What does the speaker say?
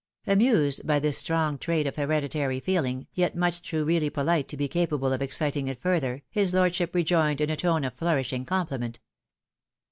Amused by this strong trait of hereditary feehng, yet much too really polite to be capable of exciting it further, his lordship rejoined in a tone 6{ flourishing compliment.